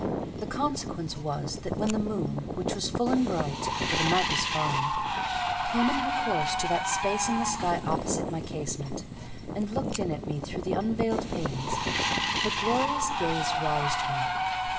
The consequence was, that when the moon, which was full and bright (for the night was fine), came in her course to that space in the sky opposite my casement, and looked in at me through the unveiled panes, her glorious gaze roused me.